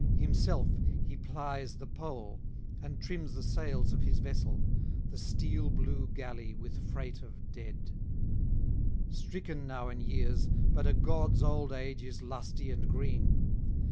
Himself he plies the pole and trims the sails of his vessel, the steel blue galley with freight [304 336]of dead; stricken now in years, but a god's old age is lusty and green.